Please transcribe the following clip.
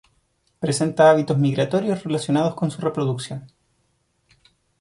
Presenta hábitos migratorios relacionados con su reproducción.